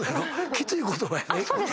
きつい言葉やで。